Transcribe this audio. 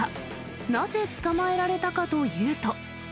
なぜ、捕まえられたかというと。